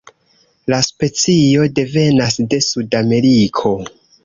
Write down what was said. La specio devenas de Sudameriko.